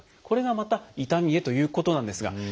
これがまた痛みへということなんですが。